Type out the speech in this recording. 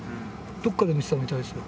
どっかで見てたみたいですよ。